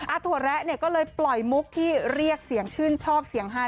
อาทัวร์แระก็เลยปล่อยมุกที่เรียกเสียงชื่นชอบเสียงห่า